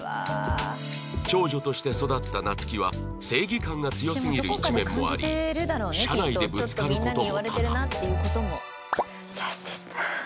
長女として育った夏希は正義感が強すぎる一面もあり社内でぶつかる事も多々